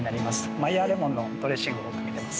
マイヤーレモンのドレッシングをかけています。